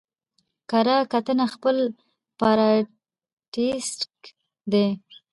کره کتنه خپله پاراټيکسټ دئ.